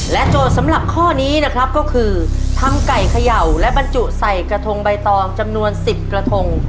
โจทย์สำหรับข้อนี้นะครับก็คือทำไก่เขย่าและบรรจุใส่กระทงใบตองจำนวน๑๐กระทง